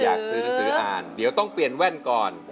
อยากซื้อหนังสืออ่านเดี๋ยวต้องเปลี่ยนแว่นก่อน